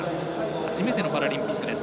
初めてのパラリンピックです。